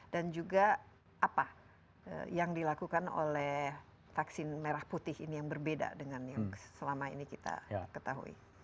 dan juga apa yang dilakukan oleh vaksin merah putih ini yang berbeda dengan yang selama ini kita ketahui